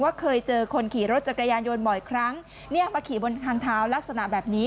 เคยเจอคนขี่รถจักรยานยนต์บ่อยครั้งเนี่ยมาขี่บนทางเท้าลักษณะแบบนี้